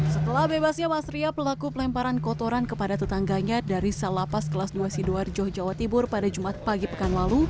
setelah bebasnya mas ria pelaku pelemparan kotoran kepada tetangganya dari salapas kelas dua sidoarjo jawa timur pada jumat pagi pekan lalu